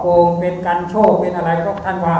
แล้วก็ยังไม่ได้ใครร้องเรียนตามประวัติการต่อไปด้วยซ้ำค่ะ